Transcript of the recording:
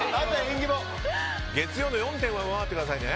月曜日の４点は上回ってくださいね。